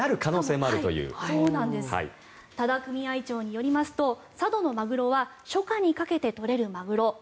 多田組合長によりますと佐渡のマグロは初夏にかけて取れるマグロ。